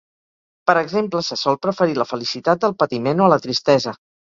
Per exemple, se sol preferir la felicitat al patiment o a la tristesa.